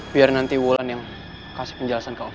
biar nanti wulan yang kasih penjelasan ke allah